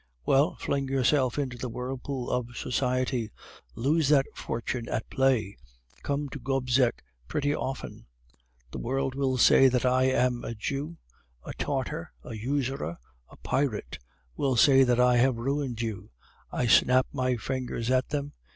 Well, fling yourself into the whirlpool of society, lose that fortune at play, come to Gobseck pretty often. The world will say that I am a Jew, a Tartar, a usurer, a pirate, will say that I have ruined you! I snap my fingers at them!